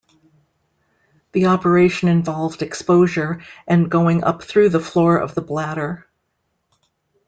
The operation involved exposure and going up through the floor of the bladder.